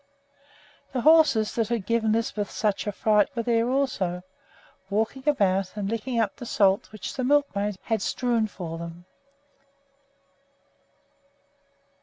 The horses that had given Lisbeth such a fright were there also, walking about and licking up the salt which the milkmaid had strewn for them.